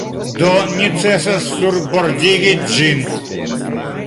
Do necesas surbordigi ĝin.